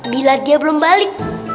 bila dia belum balik